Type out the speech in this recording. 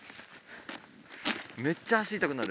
めっちゃ足痛くなる。